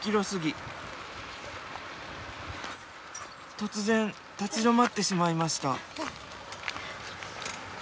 突然立ち止まってしまいました。